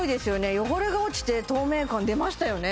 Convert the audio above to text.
汚れが落ちて透明感出ましたよね